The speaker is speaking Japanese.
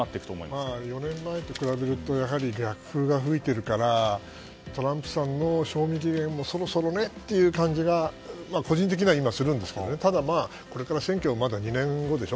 ４年前と比べると逆風が吹いているからトランプさんの賞味期限もそろそろっていう感じが個人的にはするんですがただ、これから選挙はまだ２年後でしょ。